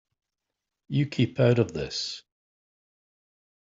You keep out of this.